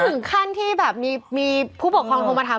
ถึงขั้นที่แบบมีผู้ปกครองโทรมาถาม